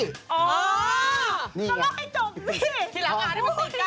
อ๋อก็เล่าให้จบนี่พี่หลังอาทิตย์กัน